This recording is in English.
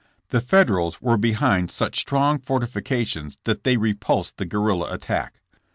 The Federals were behind such strong fortifications that they repulsed the guerrilla attack.